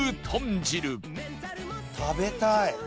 食べたい！